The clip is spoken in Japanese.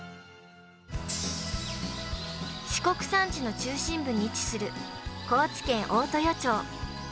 四国山地の中心部に位置する高知県大豊町。